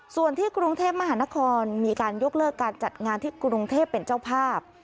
ส่วนที่กรุงเทพมหานครมีการยกเลิกการจัดงานที่กรุงเทพเป็นเจ้าภาพ